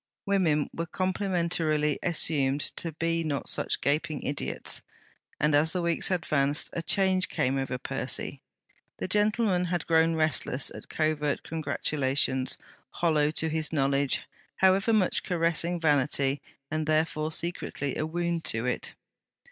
Women were complimentarily assumed to be not such gaping idiots. And as the weeks advanced, a change came over Percy. The gentleman had grown restless at covert congratulations, hollow to his knowledge, however much caressing vanity, and therefore secretly a wound to it.